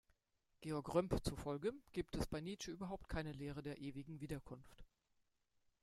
Georg Römpp zufolge gibt es bei Nietzsche überhaupt keine Lehre der ewigen Wiederkunft.